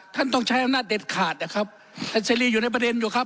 ต้องใช้อำนาจเด็ดขาดนะครับอัศรีรีอยู่ในประเด็นอยู่ครับ